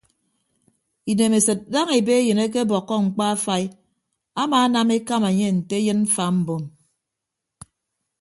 Inemesịd daña ebe eyịn akebọkkọ mkpa afai amaanam ekama enye nte eyịn mfa mbom.